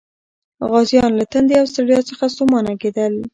غازیان له تندې او ستړیا څخه ستومانه کېدل.